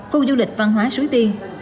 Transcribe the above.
khu du lịch văn hóa suối tiên